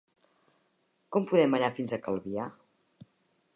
Com podem anar fins a Calvià?